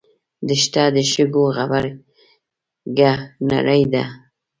دښته د شګو غبرګه نړۍ ده.